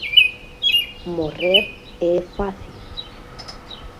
"Morrer é fácil.